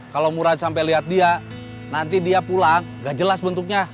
kalau murah sampai lihat dia nanti dia pulang gak jelas bentuknya